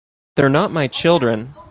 They're not my children.